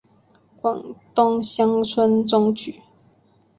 广东乡试中举。